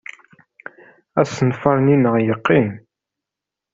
Asenfaṛ-nni-nneɣ yeqqim.